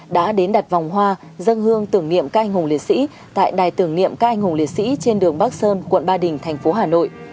đã đến đặt vòng hoa dân hương tưởng niệm các anh hùng liệt sĩ tại đài tưởng niệm các anh hùng liệt sĩ trên đường bắc sơn quận ba đình thành phố hà nội